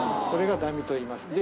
これがだみといいます。